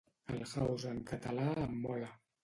El house en català em mola.